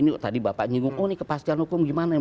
ini tadi bapak nyinggung oh ini kepastian hukum gimana